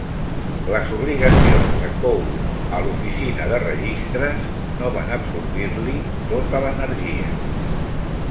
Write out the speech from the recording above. Les obligacions de Cole a l'oficina de registres no van absorbir-li tota l'energia.